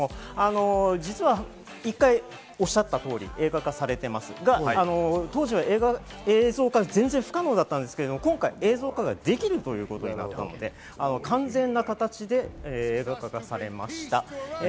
実は１回おっしゃった通り映画化されていますが、当時は映像化が全然不可能だったんですけど、今回、映像化できるということで完全な形で映画化されました。